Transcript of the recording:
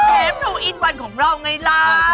เชฟทออินวันของเราไงล้ำ